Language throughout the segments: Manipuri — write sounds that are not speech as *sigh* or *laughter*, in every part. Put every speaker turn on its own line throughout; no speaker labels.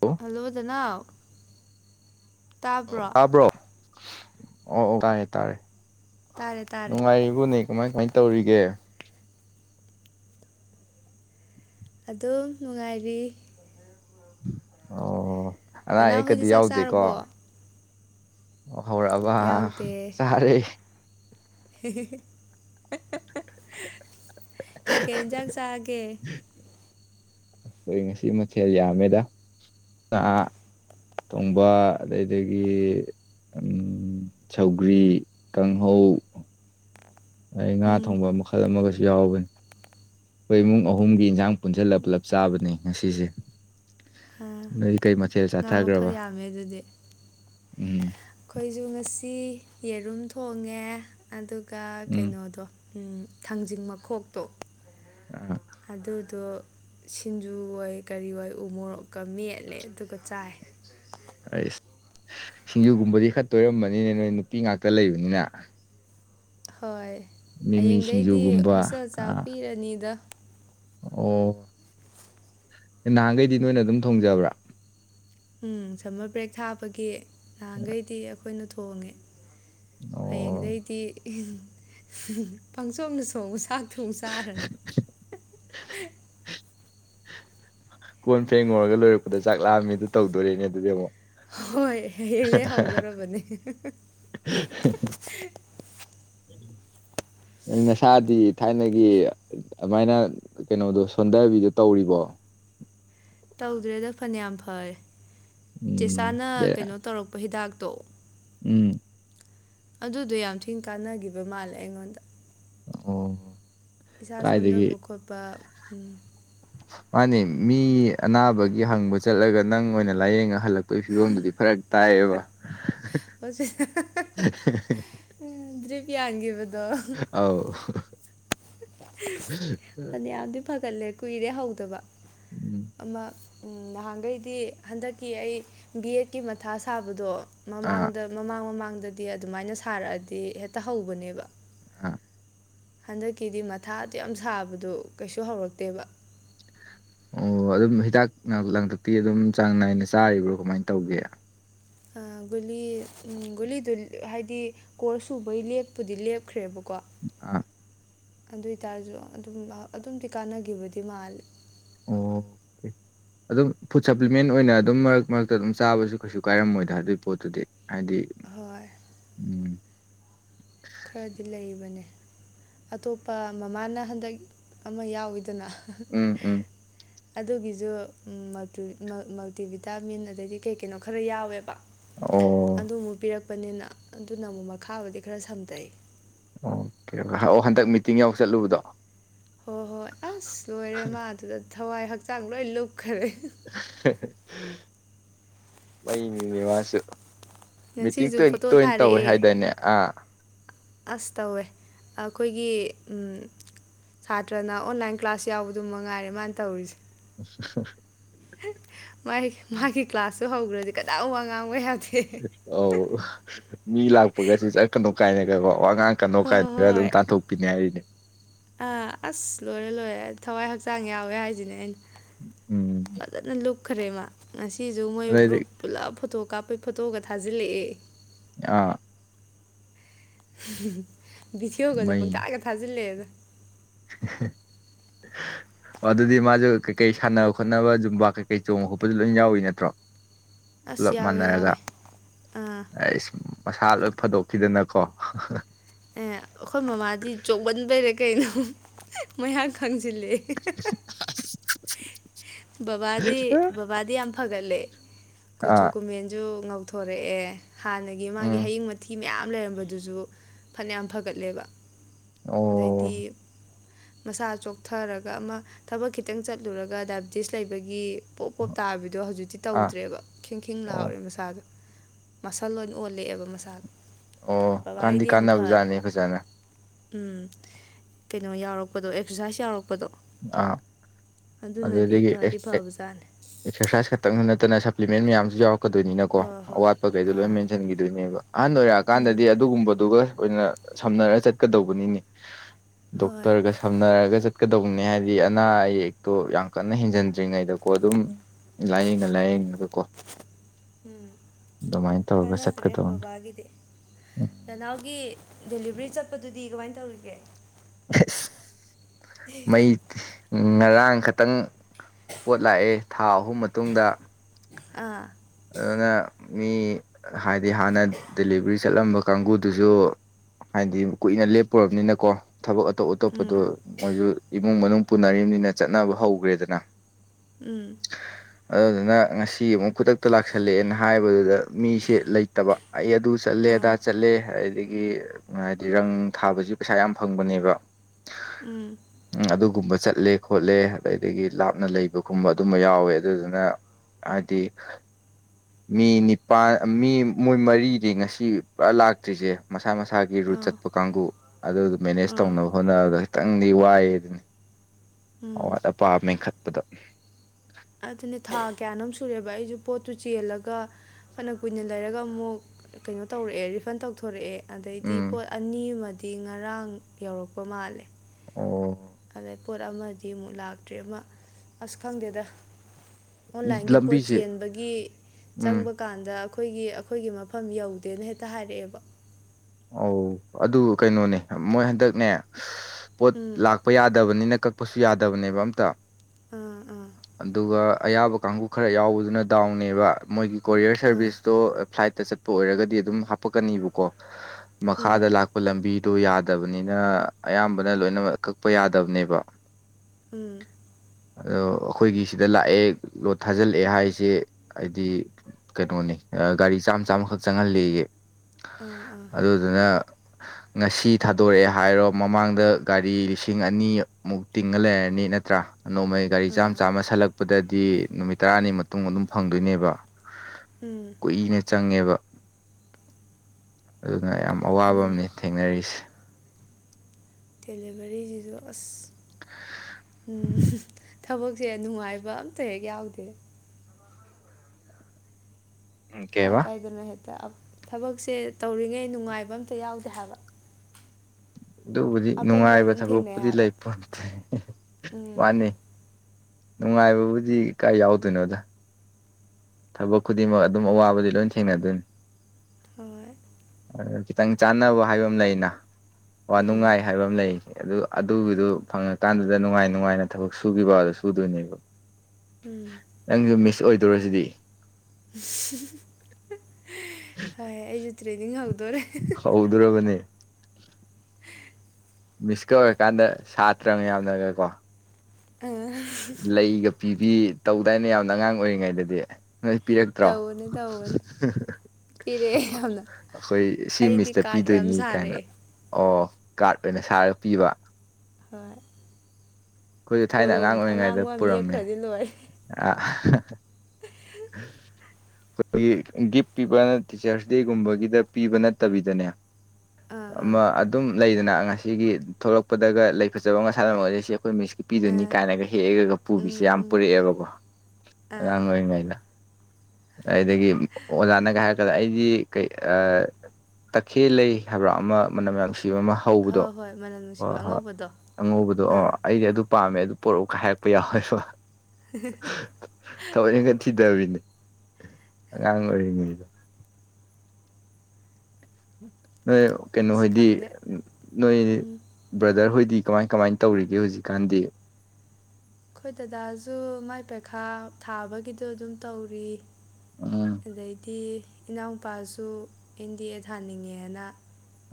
ꯑꯣ꯫ *inaudible*
ꯍꯜꯂꯣ ꯗꯅꯥꯎ꯫
ꯇꯥꯕ꯭ꯔꯣ ꯑꯣ ꯑꯣ ꯇꯥꯔꯦ ꯇꯥꯔꯦ
ꯇꯥꯔꯦ ꯇꯥꯔꯦ
ꯅꯨꯡꯉꯥꯏꯔꯤꯕꯣꯅꯦ꯫ ꯀꯃꯥꯏ ꯀꯃꯥꯏꯅ ꯇꯧꯔꯤꯒꯦ꯫
ꯑꯗꯨꯝ ꯅꯨꯡꯉꯥꯏꯔꯤ꯫
ꯑꯣ ꯑꯅꯥ
ꯗꯅꯥꯎ ꯍꯣꯏꯗꯤ
ꯑꯌꯦꯛꯀꯗꯤ
ꯆꯥꯛ
ꯌꯥꯎꯗꯦꯀꯣ꯫
ꯆꯥꯔꯕꯣ
ꯍꯧꯔꯛꯑꯕ ꯆꯥꯔꯦ
ꯍ ꯍ ꯍ ꯀꯩꯀꯩ ꯌꯦꯟꯖꯥꯡ ꯆꯥꯒꯦ
ꯑꯩꯈꯣꯏ ꯉꯁꯤ ꯃꯊꯦꯜ ꯌꯥꯝꯃꯦꯗ ꯊꯣꯡꯕ ꯑꯗꯩꯗꯒꯤ ꯁꯧꯒ꯭ꯔꯤ ꯀꯥꯡꯍꯧ ꯑꯩ ꯉꯥ
ꯎꯝ
ꯊꯣꯡꯕ ꯃꯈꯜ ꯑꯃꯒꯁꯨ ꯌꯥꯎꯕꯅꯤ ꯑꯩꯈꯣꯏ ꯏꯃꯨꯡ ꯑꯍꯨꯝꯒꯤ ꯏꯟꯖꯥꯡ ꯄꯨꯟꯁꯤꯜꯂꯒ ꯄꯨꯂꯞ ꯆꯥꯕꯅꯦ ꯉꯁꯤꯁꯦ
ꯑꯥ
ꯅꯣꯏ ꯀꯩ ꯃꯊꯦꯜ
ꯉꯥ ꯃꯈꯜ
ꯆꯥꯊꯈ꯭ꯔꯕ
ꯌꯥꯝꯃꯦ ꯑꯗꯨꯗꯤ
ꯎꯝ
ꯑꯩꯈꯣꯏꯁꯨ ꯉꯁꯤ ꯌꯦꯔꯨꯝ ꯊꯣꯡꯉꯦ ꯑꯗꯨꯒ
ꯎꯝ
ꯀꯩꯅꯣꯗꯣ ꯊꯥꯡꯖꯤꯡ ꯃꯈꯣꯛꯇꯣ
ꯑ
ꯑꯗꯨ ꯑꯗꯣ ꯁꯤꯡꯖꯨꯍꯣꯏ ꯀꯔꯤꯍꫭꯏ ꯎ ꯃꯣꯔꯣꯛꯀ ꯃꯦꯠꯂꯦ ꯑꯗꯨꯒ ꯆꯥꯏ
ꯑꯩꯁ ꯁꯤꯡꯖꯨꯒꯨꯝꯕꯗꯤ ꯈꯔ ꯇꯣꯏꯔꯝꯃꯅꯤꯅꯦ ꯅꯣꯏ ꯅꯨꯄꯤ ꯉꯥꯛꯇ ꯂꯩꯕꯅꯤꯅ꯫
ꯍꯣꯏ
ꯃꯤꯃꯤ
ꯍꯌꯦꯡꯗꯩꯩꯗꯤ
ꯁꯤꯡꯖꯨꯒꯨꯝꯕ
ꯍꯣꯁꯇꯦꯜ ꯆꯥꯛ
ꯑꯥ
ꯄꯤꯔꯅꯤꯗ꯫
ꯑꯣ ꯅꯍꯥꯟꯈꯩꯗꯤ ꯅꯣꯏꯅ ꯑꯗꯨꯝ ꯊꯣꯡꯖꯕ꯭ꯔꯥ꯫
ꯎꯝ ꯁꯝꯃꯔ ꯕ꯭ꯔꯦꯛ ꯊꯥꯕꯒꯤ ꯅꯍꯥꯟꯈꯩꯗꯤ ꯑꯩꯈꯣꯏꯅ ꯊꯣꯡꯉꯦ꯫
ꯑꯣ
ꯍꯌꯦꯡꯗꯩꯗꯤ ꯄꯪꯆꯣꯡꯗ ꯆꯣꯡꯕ ꯆꯥꯛ꯫ ꯊꯨꯡꯆꯥꯔꯅꯤ꯫
ꯀꯣꯟ ꯐꯦꯡꯂꯣꯏꯔꯒ ꯂꯣꯏꯔꯛꯄꯗ ꯆꯥꯛ ꯂꯥꯝꯃꯦꯗꯨ ꯇꯧꯗꯣꯔꯦꯅꯦ ꯑꯗꯨꯗꯤ ꯑꯃꯨꯛ꯫
ꯍꯣꯏ ꯍꯌꯦꯡꯗꯩꯩ ꯍꯧꯗꯣꯔꯕꯅꯦ꯫
*inaudible* ꯅꯪ ꯅꯁꯥꯗꯤ ꯊꯥꯏꯅꯒꯤ ꯑꯗꯨꯃꯥꯏꯅ ꯀꯩꯅꯣꯗꯣ ꯁꯣꯟꯗꯕꯤꯗꯣ ꯇꯧꯔꯤꯕꯣ꯫
ꯇꯧꯗ꯭ꯔꯦꯗ ꯐꯅꯌꯥꯝ ꯐꯔꯦ ꯆꯦ
ꯎꯝ
ꯆꯥꯅ ꯀꯩꯅꯣ ꯇꯧꯔꯛꯄ ꯍꯤꯗꯥꯛꯇꯣ꯫
ꯎꯝ꯫
ꯑꯗꯨꯗꯣ ꯌꯥꯝ ꯊꯤꯅ ꯀꯥꯟꯅꯈꯤꯕ ꯃꯥꯜꯂꯦ ꯑꯩꯉꯣꯟꯗ꯫
ꯑꯣ꯫
ꯏꯁꯥ
ꯀꯥꯏꯗꯒꯤ
ꯁꯣꯟꯊꯕ ꯈꯣꯠꯄ꯫
ꯃꯥꯅꯤ ꯃꯤ ꯑꯅꯥꯕꯒꯤ ꯍꯪꯕ ꯆꯠꯂꯒ ꯅꯪ ꯑꯣꯏꯅ ꯂꯥꯏꯌꯦꯡꯉ ꯍꯜꯂꯛꯄ꯫ ꯈꯣꯏ ꯐꯤꯕꯝꯗꯨꯗꯤ ꯐꯔꯛ ꯇꯥꯏꯌꯦꯕ꯫
ꯎꯝ ꯗ꯭ꯔꯤꯞ ꯌꯥꯟꯈꯤꯕꯗꯣ꯫
ꯑꯥꯎ꯫
ꯐꯅꯌꯥꯝꯗꯤ ꯐꯒꯠꯂꯦ ꯀꯨꯏꯔꯦ ꯍꯧꯗꯕ
ꯎꯝ
ꯑꯃ꯫ ꯅꯍꯥꯟꯈꯩꯗꯤ ꯍꯟꯗꯛꯀꯤ ꯑꯩ ꯕꯤ ꯑꯦꯠꯀꯤ ꯃꯊꯥ ꯁꯥꯕꯗꯣ
ꯑꯥ
ꯃꯃꯥꯡꯗ꯫ ꯃꯃꯥꯡ ꯃꯃꯥꯡꯗꯗꯤ ꯑꯗꯨꯃꯥꯏꯅ ꯁꯥꯔꯛꯑꯗꯤ ꯍꯦꯛꯇ ꯍꯧꯕꯅꯦꯕ꯫
*unintelligible*
ꯍꯟꯗꯛꯀꯤꯗꯤ ꯃꯊꯥ ꯑꯗꯨꯛ ꯌꯥꯝ ꯁꯥꯕꯗꯣ ꯀꯩꯁꯨ ꯍꯧꯔꯛꯇꯦꯕ꯫
ꯑꯣ ꯑꯗꯨꯝ ꯍꯤꯗꯥꯛ ꯂꯥꯡꯊꯛꯇꯤ ꯑꯗꯨꯝ ꯆꯥꯡ ꯅꯥꯏꯅ ꯆꯥꯔꯤꯕ꯭ꯔꯣ ꯀꯃꯥꯏꯅ ꯇꯧꯒꯦ꯫
ꯑꯥ ꯒꯨꯂꯤ ꯒꯨꯂꯤꯗꯨ ꯍꯥꯏꯗꯤ꯫ ꯀꯣꯔꯁ ꯁꯨꯕꯩ ꯂꯦꯛꯞꯄꯨꯗꯤ ꯂꯦꯞꯈ꯭ꯔꯦꯕꯀꯣ꯫
ꯑꯥ꯫
ꯑꯗꯨꯢꯇꯥꯔꯖꯨ ꯑꯗꯨꯝ ꯑ ꯑꯗꯨꯝꯗꯤ ꯀꯥꯟꯅꯒꯤꯕꯗꯤ ꯃꯥꯜꯂꯦ꯫
ꯑꯣ ꯑꯗꯨꯝ ꯐꯨꯗ ꯁꯄ꯭ꯂꯤꯃꯦꯟ ꯑꯣꯢꯅ ꯑꯗꯨꯝ ꯃꯔꯛ ꯃꯔꯛꯇ ꯑꯗꯨꯝ ꯆꯥꯕꯖꯨ ꯀꯩꯁꯨ ꯀꯥꯢꯔꯝꯃꯣꯢꯗ ꯑꯗꯨꯒꯤ ꯄꯣꯠꯇꯨꯗꯤ꯫ ꯍꯥꯢꯗꯤ
ꯍꯣꯏ
ꯎꯝ
ꯈꯔꯗꯤ ꯂꯩꯕꯅꯦ ꯑꯇꯣꯞꯄ ꯃꯃꯥꯅ ꯍꯟꯗꯛ ꯑꯃ ꯌꯥꯎꯋꯤꯗꯅ
ꯎꯝ ꯎꯝ
'unintelligible' *inaudible* ꯑꯗꯨꯒꯤꯖꯨ ꯃꯜꯇꯤ ꯃ ꯃꯜꯇꯤꯚꯤꯇꯥꯃꯤꯟ ꯑꯗꯒꯤ ꯀꯩ ꯀꯩꯅꯣ ꯈꯔ ꯌꯥꯎꯋꯦꯕ
ꯑꯣ
ꯑꯗꯨꯃꯨꯛ ꯄꯤꯔꯛꯄꯅꯤꯅ ꯑꯗꯨꯅ ꯑꯃꯨꯛ ꯃꯈꯥꯕꯨꯗꯤ ꯈꯔ ꯁꯝꯗꯩ꯫
ꯑꯣꯀꯦ ꯑꯣ ꯍꯟꯗꯛ ꯃꯤꯇꯤꯡ ꯌꯥꯎ ꯆꯠꯂꯨꯕꯗꯣ꯫
ꯍꯣ ꯍꯣꯢ ꯑꯁ ꯂꯣꯢꯔꯦ ꯃꯥ ꯑꯗꯨꯗ ꯊꯋꯥꯢ ꯍꯛꯆꯥꯡ ꯂꯣꯢ ꯂꯨꯞꯈ꯭ꯔꯦ꯫
ꯃꯩꯅꯤꯅꯦ ꯃꯥꯁꯨ꯫ ꯃꯤꯇꯤꯡ
ꯉꯁꯤꯁꯨ
ꯇꯣꯏ
ꯐꯣꯇꯣ
ꯇꯣꯏꯅ ꯇꯧꯋꯦ
ꯊꯥꯔꯛꯑꯦ
ꯍꯥꯏꯗꯥꯏꯅꯦ ꯑꯥ꯫
ꯑꯁ ꯇꯧꯋꯦ ꯑꯩꯈꯣꯏꯒꯤ ꯎꯝ꯫ ꯁꯥꯇ꯭ꯔꯅ ꯑꯣꯟꯂꯥꯏꯟ ꯀ꯭ꯂꯥꯁ ꯌꯥꯎꯕꯗꯨ ꯃꯉꯥꯏꯔꯦ ꯃꯥꯅ ꯇꯧꯔꯤꯁꯦ꯫
*unintelligible*
ꯃꯥꯏ ꯃꯥꯒꯤ ꯀ꯭ꯂꯥꯁꯇꯨ ꯍꯧꯈ꯭ꯔꯗꯤ ꯀꯅꯥꯝ ꯋꯥ ꯉꯥꯡꯕ ꯌꯥꯗꯦ꯫
ꯑꯧ ꯃꯤ ꯂꯥꯛꯄꯒꯁꯦ ꯆꯪꯉꯛ ꯀꯅꯣ ꯀꯥꯏꯅ꯫ ꯀ ꯋꯥ ꯉꯥꯡ ꯀꯥ ꯅꯣꯛꯀꯥꯟ
ꯍꯣꯏ
ꯑꯗꯨꯝ ꯇꯥꯟꯊꯣꯛꯄꯤꯅꯤ ꯍꯥꯏꯔꯤꯅꯦ꯫
ꯑ ꯑꯁ ꯂꯣꯏꯔꯦ ꯂꯣꯏꯔꯦ ꯊꯋꯥꯏ ꯍꯛꯆꯥꯡ ꯌꯥꯎꯋꯦ ꯍꯥꯏꯁꯤꯅꯦ ꯑꯩꯅ꯫
ꯎꯝ꯫
ꯐꯖꯅ ꯂꯨꯞꯈ꯭ꯔꯦꯃ ꯉꯁꯤꯁꯨ ꯃꯣꯏ
ꯑꯗꯩꯗꯤ
ꯒ꯭ꯔꯨꯞ ꯄꯨꯂꯞ ꯐꯣꯇꯣ ꯀꯥꯞꯄꯩ ꯐꯣꯇꯣꯒ ꯊꯥꯖꯤꯜꯂꯛꯑꯦ꯫
ꯑꯥ꯫
ꯕꯤꯗꯤꯌꯣꯒꯖꯦ ꯄꯪꯊꯥꯒ ꯊꯥꯖꯤꯜꯂꯦꯗ
'unintelligible' *inaudible* ꯑꯣ ꯑꯗꯨꯗꯤ ꯃꯥꯁꯨ ꯀꯩꯀꯩ ꯁꯥꯟꯅꯕ ꯈꯣꯠꯅꯕ ꯖꯨꯝꯕ ꯀꯩꯀꯩ ꯆꯣꯡꯕ ꯈꯣꯠꯄꯗꯤ ꯂꯣꯢꯅ ꯌꯥꯎꯔꯤ ꯅꯠꯇ꯭ꯔꯣ꯫
ꯑꯁ
ꯄꯨꯂꯞ
ꯌꯥꯎꯋꯦ
ꯃꯥꯟꯅꯔꯒ
ꯌꯥꯎꯋꯦ ꯑꯥ
ꯍꯥꯢꯁ ꯃꯁꯥ ꯂꯣꯢ ꯐꯗꯣꯛꯈꯤꯗꯅꯀꯣ
ꯑꯦ ꯑꯩꯈꯣꯢ ꯃꯃꯥꯗꯤ ꯆꯣꯡꯃꯟ ꯕꯩꯔꯥ ꯀꯩꯅꯣ ꯃꯌꯥꯡ ꯀꯪꯖꯤꯜꯂꯦ꯫
'unintelligible' *inaudible*
ꯕꯕꯥꯗꯤ ꯕꯕꯥꯗꯤ ꯌꯥꯝ ꯐꯒꯠꯂꯦ ꯀꯨꯆꯨ
ꯑꯥ
ꯀꯨꯃꯦꯟꯖꯨ ꯉꯥꯎ ꯊꯣꯔꯦꯑꯦ ꯍꯥꯟꯅꯒꯤ ꯃꯥꯒꯤ
ꯎꯝ
ꯍꯌꯤꯡ ꯃꯊꯤ ꯃꯌꯥꯝ ꯂꯩꯔꯝꯕꯗꯨꯁꯨ ꯐꯅꯌꯥꯝ ꯐꯒꯠꯂꯦꯕ꯫
ꯑꯣ
ꯑꯗꯩꯗꯤ ꯃꯁꯥ ꯆꯣꯛꯊꯔꯒ ꯑꯃ ꯊꯕꯛ ꯈꯤꯇꯪ ꯆꯠꯂꯨꯔꯒ ꯗꯥꯢꯕꯤꯇꯤꯁ ꯂꯩꯕꯒꯤ ꯄꯣꯞ ꯄꯣꯞ ꯇꯥꯕꯤꯗꯣ ꯍꯧꯖꯤꯛꯇꯤ
ꯑꯥ
ꯇꯧꯗ꯭ꯔꯦꯕ ꯈꯤꯡꯈꯤꯡ
ꯑꯣ
ꯂꯥꯎꯔꯦ ꯃꯁꯥꯗꯣ꯫ ꯃꯁꯜ ꯂꯣꯢꯅ ꯑꯣꯜꯂꯛꯑꯦꯕ ꯃꯁꯥ
ꯑꯣ ꯀꯥꯟꯗꯤ ꯀꯥꯟꯅꯕꯖꯥꯠꯅꯤ ꯐꯖꯅ
ꯎꯝ ꯀꯩꯅꯣ ꯌꯥꯎꯔꯛꯄꯗꯣ ꯑꯦꯛꯁꯔꯁꯥꯏꯁ ꯌꯥꯎꯔꯛꯄꯗꯣ꯫
ꯑꯥ
ꯑꯗꯨꯅꯗꯤ ꯐꯗꯤ ꯐꯕꯖꯥꯠꯅꯦ꯫
ꯑꯦꯛꯁꯔꯁꯥꯢꯁ ꯈꯛꯇꯪꯅ ꯅꯠꯇꯅ ꯁꯄ꯭ꯂꯤꯃꯦꯟ ꯃꯌꯥꯝꯁꯨ ꯌꯥꯎꯔꯛꯀꯗꯣꯢꯅꯤꯅꯀꯣ
ꯍꯣꯏ ꯍꯣꯏ
ꯑꯋꯥꯠꯄ ꯒꯩꯗꯣ ꯂꯣꯢ
ꯑꯥ
ꯃꯦꯟꯁꯟꯒꯤꯗꯣꯢꯅꯦꯕ ꯑꯍꯟ
ꯎꯝ
ꯑꯣꯢꯔꯛꯑꯀꯥꯟꯗꯗꯤ ꯑꯗꯨꯒꯨꯝꯕꯗꯨꯒ ꯑꯣꯢꯅ ꯁꯝꯅꯔꯒ ꯆꯠꯀꯗꯧꯕꯅꯤꯅꯦ꯫
ꯍꯣꯏ
ꯗꯣꯛꯇꯔꯒ ꯁꯝꯅꯔꯒ ꯆꯠꯀꯗꯧꯕꯅꯦ ꯍꯥꯢꯗꯤ ꯑꯅꯥ ꯑꯌꯦꯛꯇꯣ ꯌꯥꯝ ꯀꯟꯅ ꯍꯦꯟꯖꯟꯗ꯭ꯔꯤꯉꯩꯗ ꯀꯣ ꯑꯗꯨꯝ ꯂꯥꯢꯌꯦꯡꯉ ꯂꯥꯢꯌꯦꯡꯉꯒ ꯀꯣ꯫
ꯎꯝ
ꯇꯧꯔꯒ
ꯀꯥꯟꯅꯗ꯭ꯔꯦ
ꯆꯠꯀꯗꯧꯅꯤ
ꯕꯕꯥꯒꯤꯗꯤ
ꯎꯝ
ꯅꯅꯥꯎꯒꯤ ꯗꯦꯂꯤꯕ꯭ꯔꯤ ꯆꯠꯄꯗꯨꯗꯤ ꯀꯃꯥꯢꯅ ꯇꯧꯔꯤꯒꯦ꯫
ꯃꯩ ꯉꯔꯥꯡ ꯈꯇꯪ ꯄꯣꯠ ꯂꯥꯛꯑꯦ ꯊꯥ ꯑꯍꯨꯝ ꯃꯇꯨꯡꯗ꯫
ꯑꯥ
ꯑꯗꯨꯅ ꯃꯤ ꯍꯥꯏꯗꯤ ꯍꯥꯟꯅ ꯗꯤꯂꯤꯚꯔꯤ ꯆꯠꯂꯝꯕ ꯀꯥꯡꯒꯨꯗꯨꯁꯨ ꯍꯥꯏꯗꯤ ꯀꯨꯏꯅ ꯂꯦꯞꯄꯨꯔꯕꯅꯤꯅꯀꯣ ꯊꯕꯛ ꯑꯇꯣꯞ
ꯎꯝ
ꯑꯇꯣꯞꯄꯗꯣ ꯃꯣꯏꯖꯨ ꯏꯃꯨꯡ ꯃꯅꯨꯡ ꯄꯨꯅꯔꯤꯕꯅꯤꯅ ꯆꯠꯅꯕ ꯍꯧꯈ꯭ꯔꯦꯗꯅ
ꯎꯝ
ꯑꯗꯨꯗꯨꯅ ꯉꯁꯤ ꯑꯃꯨꯛ ꯈꯨꯗꯛꯇ ꯂꯥꯛꯁꯜꯂꯛꯑꯦꯅ ꯍꯥꯏꯕꯗꯨꯗ ꯃꯤꯁꯦ ꯂꯩꯇꯕ ꯑꯩ ꯑꯗꯨ ꯆꯠꯂꯦ ꯑꯗꯥ
ꯑꯥ
ꯆꯠꯂꯦ ꯑꯩꯗꯒꯤ ꯍꯥꯏꯗꯤ ꯔꯪ ꯊꯥꯕꯁꯤ ꯄꯩꯁꯥ ꯌꯥꯝ ꯐꯪꯕꯅꯦꯕ
ꯎꯝ
ꯎꯝ ꯑꯗꯨꯒꯨꯝꯕ ꯆꯠꯂꯦ ꯈꯣꯠꯂꯦ ꯑꯗꯨꯗꯩꯗꯒꯤ ꯂꯥꯞꯅ ꯂꯩꯕꯒꯨꯝꯕ ꯑꯗꯨꯝꯕ ꯌꯥꯎꯋꯦ ꯑꯗꯨꯗꯨꯅ ꯍꯥꯢꯗꯤ ꯃꯤ ꯅꯤꯄꯥꯥꯟ ꯃꯤ ꯃꯣꯏ ꯃꯔꯤꯗꯤ ꯉꯁꯤ ꯄꯨꯔꯥ ꯂꯥꯛꯇ꯭ꯔꯤꯖꯦ ꯃꯁꯥ ꯃꯁꯥꯒꯤ ꯒꯤ ꯔꯨꯠ
ꯑꯥ
ꯆꯠꯄ ꯀꯥꯡꯒꯨ ꯑꯗꯨꯗꯣ ꯃꯦꯅꯦꯖ
ꯑꯥ
ꯇꯧꯅꯕ ꯍꯣꯠꯅꯕꯗ ꯈꯤꯇꯪꯗꯤ ꯋꯥꯏ ꯑꯗꯨꯅꯤ꯫
ꯎꯝ
ꯑꯋꯥꯠ ꯑꯄꯥ ꯃꯦꯟꯈꯠꯄꯗ
ꯑꯗꯨꯅꯦ ꯊꯥ ꯀꯌꯥꯅꯣꯝ ꯁꯨꯔꯦꯕ ꯑꯩꯖꯨ ꯄꯣꯠꯇꯨ ꯆꯦꯜꯂꯒ ꯐꯅ ꯀꯨꯢꯅ ꯂꯩꯔꯒ ꯑꯃꯨꯛ ꯀꯩꯅꯣ ꯇꯧꯔꯦꯑꯦ ꯔꯤꯐꯟ ꯇꯧ ꯊꯣꯔꯦꯑꯦ ꯑꯗꯩꯗꯤ
ꯎꯝ
ꯄꯣꯠ ꯑꯅꯤ ꯃꯗꯤ ꯉꯔꯥꯡ ꯌꯧꯔꯛꯄ ꯃꯥꯜꯂꯦ꯫
ꯑꯣ
ꯑꯗꯩ ꯄꯣꯠ ꯑꯃꯗꯤ ꯑꯃꯨꯛ ꯂꯥꯛꯇ꯭ꯔꯦ ꯑꯃ ꯑꯁ ꯈꯪꯗꯦꯗ ꯑꯣꯟꯂꯥꯢꯟꯒꯤ ꯄꯣꯠ
ꯂꯝꯕꯤꯁꯦ
ꯆꯦꯟꯕꯒꯤ
ꯎꯝ
ꯆꯪꯕ ꯀꯥꯟꯗ ꯑꯩꯈꯣꯢꯒꯤ ꯑꯩꯈꯣꯢꯒꯤ ꯃꯐꯝ ꯌꯧꯗꯦꯅ ꯍꯦꯛꯇ ꯍꯥꯢꯔꯦꯑꯦꯕ꯫
ꯑꯧ ꯑꯗꯨ ꯀꯩꯅꯣꯅꯦ ꯃꯣꯢ ꯍꯟꯗꯛꯅꯦ ꯄꯣꯠ
ꯎꯝ
ꯂꯥꯛ ꯄ ꯌꯥꯗꯕꯅꯤꯅ ꯀꯛꯄꯁꯨ ꯌꯥꯗꯕꯅꯦꯕ ꯑꯝꯇ
ꯑꯥ ꯑꯥ
ꯑꯗꯨꯒ ꯑꯌꯥꯕ ꯀꯥꯡꯒꯨ ꯈꯔ ꯌꯥꯎꯕꯗꯨꯅ ꯗꯥꯎꯅꯦꯕ ꯃꯣꯢꯒꯤ ꯀꯣꯔꯤꯌꯔ
ꯑꯥ
ꯁꯔꯚꯤꯁꯇꯣ ꯐ꯭ꯂꯥꯏꯠꯇ ꯆꯠꯄ ꯑꯣꯢꯔꯒꯗꯤ ꯑꯗꯨꯝ ꯍꯥꯄꯛꯀꯅꯤꯕꯀꯣ
ꯎꯝ
ꯃꯈꯥꯗ ꯂꯥꯛ ꯂꯝꯕꯤꯗꯣ ꯌꯥꯗꯕꯅꯤꯅ ꯑꯌꯥꯝꯕꯅ ꯂꯣꯏꯅꯃꯛ ꯀꯛꯄ ꯌꯥꯗꯕꯅꯦꯕ
ꯎꯝ
ꯑꯗꯣ ꯑꯩꯈꯣꯏꯒꯤ ꯁꯤꯗ ꯂꯥꯛꯑꯦ ꯂꯣꯠ ꯊꯥꯖꯤꯜꯂꯛꯑꯦ ꯍꯥꯏꯁꯦ ꯍꯥꯏꯗꯤ ꯀꯩꯅꯣꯅꯦ ꯒꯥꯔꯤ ꯆꯥꯝꯃ ꯆꯥꯝꯃꯈꯛ ꯆꯪꯍꯜꯂꯦꯌꯦ
ꯑꯥ ꯑꯥ
ꯑꯗꯨꯗꯨꯅ ꯉꯁꯤ ꯊꯥꯗꯣꯔꯛꯑꯦ ꯍꯥꯏꯔꯣ ꯃꯃꯥꯡꯗ ꯒꯥꯔꯤ ꯂꯤꯁꯤꯡ ꯑꯅꯤꯃꯨꯛ ꯇꯤꯡꯉ ꯂꯩꯔꯅꯤ ꯅꯠꯇ꯭ꯔꯥ ꯅꯣꯡꯃꯩ ꯒꯥꯔꯤ ꯆꯥꯝ
ꯑꯥ
ꯆꯥꯝꯃ ꯁꯜꯂꯛꯄꯗꯗꯤ ꯅꯨꯃꯤꯠ ꯇꯔꯥꯅꯤ ꯃꯇꯨꯡ ꯑꯗꯨꯝ ꯐꯪꯗꯣꯏꯅꯦꯕ
ꯎꯝ
ꯀꯨꯏꯅ ꯆꯪꯉꯦꯕ ꯑꯗꯨꯅ ꯌꯥꯝ ꯑꯋꯥꯕ
ꯑꯗꯨꯅ
ꯑꯃꯅꯦ ꯊꯦꯡꯅꯔꯤꯁꯦ
ꯗꯦꯂꯤꯚꯔꯤꯁꯤꯖꯨ ꯑꯁ ꯎꯝ ꯊꯕꯛꯁꯦ ꯅꯨꯡꯉꯥꯏꯕ ꯑꯝꯇ ꯍꯦꯛ ꯌꯥꯎꯗꯦ
ꯎꯝ
ꯀꯥꯏ
ꯀꯩꯕ
ꯀꯥꯏꯗꯅꯣ ꯍꯦꯛꯇ ꯊꯕꯛꯁꯦ ꯇꯧꯔꯤꯉꯩ ꯅꯨꯡꯉꯥꯏꯕ ꯑꯝꯇ ꯌꯥꯎꯗꯦ ꯍꯥꯏꯕ
ꯑꯗꯨꯕꯨꯗꯤ
ꯑꯄꯟꯕ
ꯅꯨꯡꯉꯥꯏꯕ
ꯑꯗꯨꯝ ꯊꯦꯡꯅꯩ
ꯊꯕꯛꯄꯨꯗꯤ
ꯍꯥꯏꯕ
ꯂꯩ ꯄꯣꯟꯇꯦ
ꯎꯝ
ꯋꯥꯅꯤ ꯅꯨꯡꯉꯥꯏꯕꯕꯨꯗꯤ ꯀꯥꯏ ꯌꯥꯎꯗꯣꯏꯅꯣꯗ ꯊꯕꯛ ꯈꯨꯗꯤꯡꯃꯛ ꯑꯗꯨꯝ ꯑꯋꯥꯕꯗꯤ ꯂꯣꯏ ꯊꯦꯡꯅꯗꯣꯏꯅꯤ
ꯍꯣꯏ
ꯑꯗꯨ ꯈꯤꯇꯪ ꯆꯥꯟꯅꯕ ꯍꯥꯏꯕ ꯑꯃ ꯂꯩꯅ ꯋꯥ
ꯎꯝ
ꯅꯨꯡꯉꯥꯏ ꯍꯥꯏꯕ ꯑꯃ ꯂꯩ ꯑꯗꯨ ꯑꯗꯨꯒꯤꯗꯨ ꯐꯪꯉꯀꯥꯟꯗꯨꯗ ꯅꯨꯡꯉꯥꯏ ꯅꯨꯡꯉꯥꯏꯅ ꯊꯕꯛ ꯁꯨꯈꯤꯕꯗꯣ ꯁꯨꯗꯣꯏꯅꯦꯕ
ꯎꯝ
ꯅꯪꯖꯨ ꯃꯤꯁ ꯑꯣꯏꯗꯧꯔꯁꯤꯗꯤ
ꯍꯣꯏ ꯑꯩꯁꯨ ꯇ꯭ꯔꯦꯅꯤꯡ ꯍꯧꯗꯣꯔꯦ
ꯍꯧꯗꯣꯔꯕꯅꯦ ꯃꯤꯁꯀꯥ ꯑꯣꯏꯔꯀꯥꯟꯗ ꯁꯥꯇ꯭ꯔ ꯃꯌꯥꯝꯅꯒꯀꯣ
ꯑꯥ
ꯂꯩꯒ ꯄꯤꯕꯤ ꯇꯧꯗꯥꯏꯅꯦ ꯌꯥꯝꯅ ꯑꯉꯥꯡ ꯑꯣꯏꯔꯤꯉꯩꯗꯗꯤ ꯅꯣꯏ ꯄꯤꯔꯛꯇ꯭ꯔꯣ
ꯇꯧꯕꯅꯦ ꯇꯧꯕꯅꯦ ꯄꯤꯔꯛꯑꯦ ꯌꯥꯝꯅ
ꯑꯩꯈꯣꯏ ꯁꯤ
ꯑꯩꯗꯤ
ꯃꯤꯁꯇ
ꯀꯥꯔꯠ ꯌꯥꯝ
ꯄꯤꯗꯣꯏꯅꯤ ꯀꯥꯏꯅ
ꯁꯥꯔꯛꯑꯦ
ꯑꯣ ꯀꯥꯔꯠ ꯑꯣꯏꯅ ꯁꯥꯔꯒ ꯄꯤꯕ
ꯍꯣꯏ
ꯑꯩꯈꯣꯏꯁꯨ ꯊꯥꯏꯅ
ꯀꯣꯂꯣꯝ
ꯑꯉꯥꯡ ꯑꯣꯏꯔꯤꯉꯩꯗ
ꯑꯉꯥꯡꯕ ꯑꯃ
ꯄꯨꯔꯝꯃꯦ
ꯌꯦꯛꯈ꯭ꯔꯗꯤ ꯂꯣꯏꯔꯦ
ꯎꯝ ꯑꯩꯈꯣꯏꯒꯤ ꯒꯤꯐ ꯄꯤꯕꯅ ꯇꯤꯆꯔꯁ ꯗꯦꯒꯨꯝꯕꯒꯤꯗ ꯄꯤꯕ ꯅꯠꯇꯕꯤꯗꯅꯦ
ꯑꯥ ꯑꯥ
ꯑꯃ ꯑꯗꯨꯝ ꯂꯩꯗꯅ ꯉꯁꯤꯒꯤ ꯊꯣꯛꯂꯛꯄꯗꯒ ꯂꯩ ꯐꯖꯕ ꯃꯁꯥꯟꯅ ꯑꯣꯏꯁꯦ ꯑꯩꯈꯣꯏ ꯃꯤꯁꯀꯄꯤꯗꯣꯏꯅꯤ
ꯑꯥ
ꯀꯥꯏꯅꯒ ꯍꯦꯛꯑꯒ ꯄꯨꯕꯤꯁꯦ
ꯎꯝ
ꯌꯥꯝ
ꯎꯝ
ꯄꯨꯔꯛꯑꯦꯕꯀꯣ
ꯑꯥ
ꯑꯉꯥꯡ ꯑꯣꯢꯔꯤꯉꯩꯗ ꯑꯗꯨꯗꯒꯤ ꯑꯣꯖꯥꯅꯒ ꯍꯥꯏꯔꯛꯀꯥꯟꯗ ꯑꯩꯗꯤ ꯀꯩ ꯇꯈꯦꯜ ꯂꯩ ꯍꯥꯏꯕ꯭ꯔꯥ ꯑꯃ ꯃꯅꯝ ꯌꯥꯝ ꯅꯨꯡꯁꯤꯕ ꯑꯃ ꯍꯧꯕꯗꯣ
ꯍꯣꯏ ꯍꯣꯏ ꯃꯅꯝ
ꯍꯣꯏ
ꯅꯨꯡꯁꯤꯕ
ꯍꯣꯏ
ꯑꯉꯧꯕꯗꯣ
ꯑꯉꯧꯕꯗꯣ ꯑꯣ
ꯑꯥ
ꯑꯩꯗꯤ ꯑꯗꯨ ꯄꯥꯝꯃꯦ ꯑꯗꯨ ꯄꯣꯔꯣꯛꯀ ꯍꯥꯏꯔꯛꯄ ꯌꯥꯎꯋꯦꯕ ꯊꯕꯛ ꯏꯈꯟ ꯊꯤꯗꯔꯤꯅꯦ ꯑꯉꯥꯡ ꯑꯣꯏꯔꯤꯉꯩꯗ ꯅꯣꯏ ꯀꯩꯅꯣ
ꯑꯁ
ꯍꯥꯏꯗꯤ
ꯈꯪꯗꯦ
ꯅꯣꯏ
ꯎꯝ
ꯕ꯭ꯔꯗꯔ ꯍꯣꯏꯗꯤ ꯀꯃꯥꯏ ꯀꯃꯥꯏꯟ ꯇꯧꯔꯤꯒꯦ ꯍꯧꯖꯤꯛꯀꯥꯟꯗꯤ
ꯑꯩꯈꯣꯏ ꯗꯗꯥꯁꯨ ꯃꯥꯏ ꯄꯩꯈꯥ ꯊꯥꯕꯒꯤꯗꯣ ꯑꯗꯨꯝ ꯇꯧꯔꯤ
ꯑꯝ
ꯑꯗꯩꯗꯤ ꯏꯅꯥꯎꯄꯥꯁꯨ ꯑꯦꯟ ꯗꯤ ꯑꯦ ꯊꯥꯅꯤꯡꯉꯦꯅ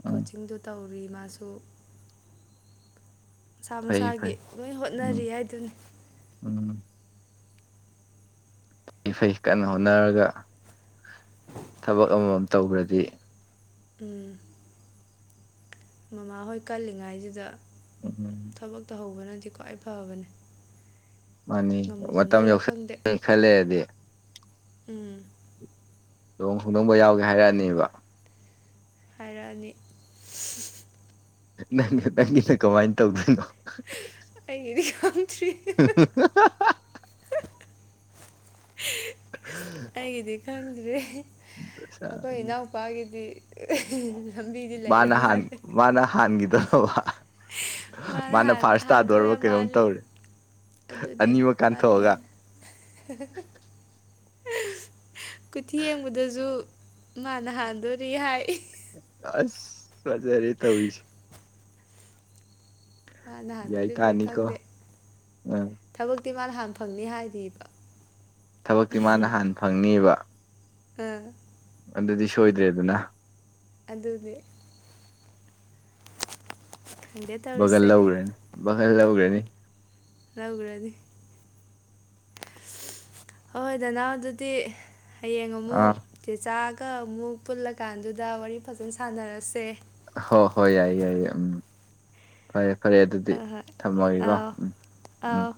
ꯎꯝ
ꯀꯣꯆꯤꯡꯗꯨ ꯇꯧꯔꯤ ꯃꯥꯁꯨ ꯃꯁꯥ
ꯐꯩ
ꯃꯁꯥꯒꯤ
ꯐꯩ
ꯂꯣꯏ ꯍꯣꯠꯅꯔꯤ
ꯎꯝ
ꯍꯥꯏꯗꯨꯅꯤ
ꯎꯝ ꯐꯩ ꯐꯩ ꯀꯟꯅ ꯍꯣꯠꯅꯔꯒ ꯊꯕꯛ ꯑꯃꯃꯝ ꯇꯧꯈ꯭ꯔꯗꯤ
ꯃꯃꯥꯍꯣꯏ ꯀꯜꯂꯤꯉꯥꯏꯁꯤꯗ
ꯎꯝ
ꯊꯕꯛꯛꯇꯧ ꯍꯧꯕꯅꯗꯤ ꯈ꯭ꯋꯥꯏ ꯐꯕꯅꯦ
ꯃꯥꯅꯤ
ꯉꯝꯕꯨ
ꯃꯇꯝ
ꯉꯝꯗꯣꯏꯔꯥ ꯈꯪꯗꯦ
ꯌꯧꯁꯜꯦ ꯈꯜꯂꯦꯗꯤ
ꯎꯝ
ꯂꯨꯍꯣꯡ ꯈꯣꯡꯗꯣꯡꯕ ꯌꯥꯎꯒꯦ ꯍꯥꯏꯔꯛꯑꯅꯦꯕ
ꯍꯥꯏꯔꯛꯑꯅꯤ
ꯅꯪ ꯅꯪꯒꯤꯅ ꯀꯃꯥꯏꯅ ꯇꯧꯗꯣꯏꯅꯣ
ꯑꯩꯒꯤꯗꯤ ꯌꯥꯎꯗꯔꯤ ꯍ *inaudible* ꯑꯩꯒꯤꯗꯤ ꯈꯪꯗ꯭꯭ꯔꯦ ꯑꯩꯈꯣꯏ ꯏꯅꯥꯎ ꯄꯒꯤꯗꯤ
ꯃꯥꯅꯍꯥꯟ ꯃꯥꯅ ꯍꯥꯟꯒꯤꯗ
ꯃꯥꯅ ꯍꯥꯟꯗꯣꯛꯑ ꯌꯥꯝ
ꯀꯩꯅꯣꯝ
ꯃꯥꯂꯦ
ꯇꯧꯔꯦ
ꯑꯗꯨꯅꯦ
ꯑꯅꯤꯃꯛ
ꯄꯥꯅꯩ
ꯀꯥꯟꯊꯣꯛꯑꯒ
ꯌꯥꯅ ꯀꯨꯊꯤ ꯌꯦꯡꯕꯗꯁꯨ ꯃꯥꯅ ꯍꯥꯟꯗꯣꯔꯤ ꯍꯥꯏ
ꯑꯁ ꯐꯖꯔꯦ ꯇꯧꯔꯤꯁꯦ
ꯃꯥ
ꯌꯥꯏ
ꯅꯍꯥꯟꯗꯣꯔꯤꯕ ꯄꯨ꯭ꯔꯥ
ꯇꯥꯅꯤꯀꯣ
ꯈꯪꯗꯦ
ꯑꯥ
ꯊꯕꯛꯇꯤ ꯃꯥꯅꯍꯥꯟꯅ ꯐꯪꯅꯤ ꯍꯥꯏꯔꯤꯑꯔꯤꯕ
ꯊꯕꯛꯇꯤ ꯃꯥꯅ ꯍꯥꯟꯅ ꯐꯪꯅꯤꯕ
ꯎꯝ
ꯑꯗꯨꯗꯤ ꯁꯣꯏꯗ꯭ꯔꯦꯗꯅ
ꯑꯗꯨꯅꯦ ꯈꯪꯗꯦ
ꯕꯒꯜ
ꯇꯧꯔꯤꯁꯦ
ꯂꯧꯈ꯭ꯔꯦꯅꯤ ꯕꯒꯜ ꯂꯧꯈ꯭ꯔꯦꯅꯤ
ꯂꯎꯗꯤ ꯍꯣꯏ ꯍꯣꯏ ꯗꯅꯥ ꯑꯗꯨꯗꯤ ꯍꯌꯦꯡ ꯑꯃꯨꯛ
ꯑꯥ
ꯆꯦꯆꯥꯥꯛꯒ ꯑꯃꯨꯛ ꯄꯨꯜꯂꯀꯥꯟꯗꯨꯗ ꯋꯥꯔꯤ ꯐꯖꯅ ꯁꯥꯟꯅꯔꯁꯦ
ꯍꯣ ꯍꯣꯏ ꯌꯥꯏꯌꯦ ꯌꯥꯏꯌꯦ ꯎꯝ ꯐꯔꯦ ꯐꯔꯦ ꯑꯗꯨꯗꯤ ꯊꯝꯃꯒꯦꯀꯣ ꯎꯝ ꯎꯝ
ꯑꯥ